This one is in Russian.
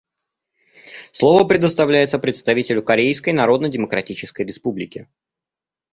Слово предоставляется представителю Корейской Народно-Демократической Республики.